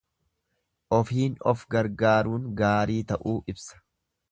Ofiin of gargaaruun gaarii ta'uu ibsa.